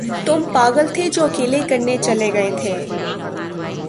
تم پاگل تھے جو اکیلے کرنے چلے گئے تھے۔